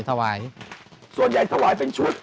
ส่วนใหญ่ถวายเป็นชุด